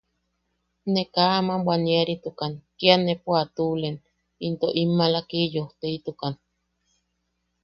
Ne kaa ama bwaniaritukan, kia nejpo a tuʼulen, into in maala Kiyosteitukan.